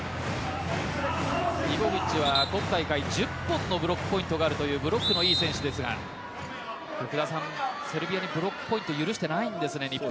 イボビッチは今大会１０本のブロックポイントがあるというブロックの良い選手ですがセルビアにブロックポイント許してないんですね、日本。